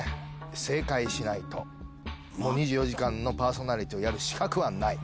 正解しないと『２４時間』のパーソナリティーをやる資格はない。